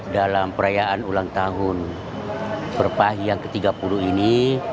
dalam perayaan ulang tahun perpah yang ke tiga puluh ini